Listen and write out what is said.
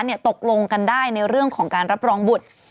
ตกลงกันได้ในเรื่องของการรับรองบุตร